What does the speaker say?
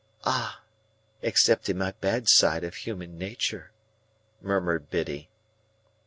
"Ah! Except in my bad side of human nature," murmured Biddy.